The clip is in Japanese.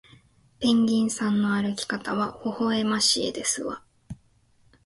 ペンギンさんの歩き方はほほえましいですわ